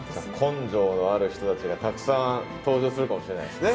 根性がある人たちがたくさん登場するかもしれないですね。